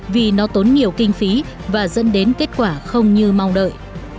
vì nó tốn nhiều kinh phí và dẫn đến kết quả không như mong đợi